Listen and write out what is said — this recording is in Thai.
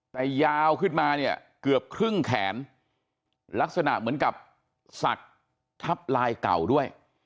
แต่ยาวขึ้นมาเนี่ยเกือบครึ่งแขนลักษณะเหมือนกับศักดิ์ทับลายเก่าด้วย